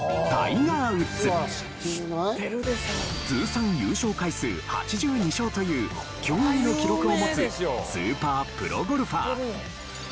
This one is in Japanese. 通算優勝回数８２勝という驚異の記録を持つスーパープロゴルファー。